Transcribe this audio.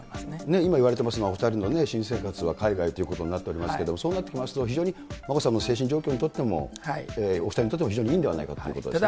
今、いわれてますのは、お２人の新生活は海外ということになっていますけれども、そうなってきますと、非常にまこさまの精神状況にとっても、お２人にとっても非常にいいんではないかということですね。